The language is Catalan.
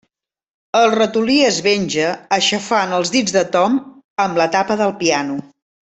El ratolí es venja aixafant els dits de Tom amb la tapa del piano.